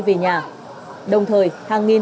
về nhà đồng thời hàng nghìn